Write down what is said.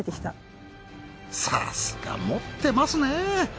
さすが持ってますね。